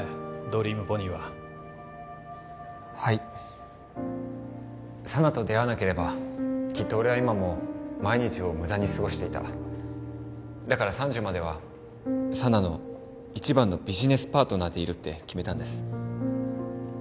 ドリームポニーははい佐奈と出会わなければきっと俺は今も毎日をムダにすごしていただから３０までは佐奈の一番のビジネスパートナーでいるって決めたんです